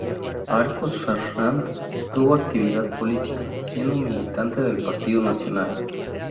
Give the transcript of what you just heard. Arcos Ferrand tuvo actividad política, siendo militante del Partido Nacional.